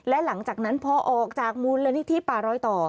และหลังจากนั้นพอออกจากมูลนิธิป่ารอยต่อ